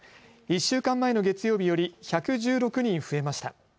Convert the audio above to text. １週間前の月曜日より１１６人増えました。